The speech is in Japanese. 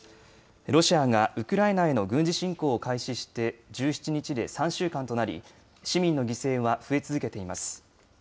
ロシアがウクライナへの軍事侵攻を開始して１７日で３週間となり市民の犠牲は増え続けています。